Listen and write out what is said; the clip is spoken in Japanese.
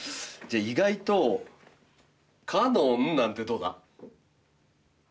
じゃあ意外とかのんなんてどうだ？